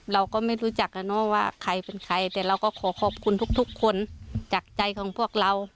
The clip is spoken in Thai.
เราก็ไม่รู้จักว่าใครเป็นใครแต่เราก็ขอขอบคุณทุกคนจากใจของพวกเรา